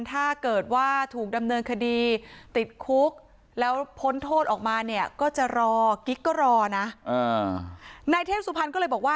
ถ้าเกิดว่าถูกดำเนินคดีติดคุกแล้วพ้นโทษออกมาเนี่ยก็จะรอกิ๊กก็รอนะ